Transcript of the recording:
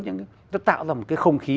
nó tạo ra một cái không khí